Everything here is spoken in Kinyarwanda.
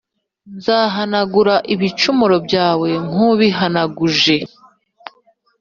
Nzahanagura ibicumuro byawe nk ubihanaguje